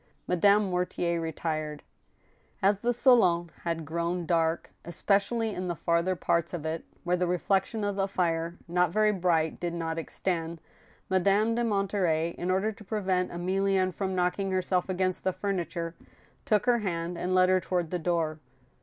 Madame Mortier retired. As the salon had grown dark, especially in the farther parts of it, where the reflection of the fire, not very bright, did not extend, Madame de Monterey, in order to prevent Emilienne from knocking herself against the furniture, took her hand and led her toward the door.